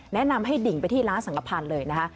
แนะนำให้ดิ่งไปที่ร้านสังขพันธ์เลยนะคะ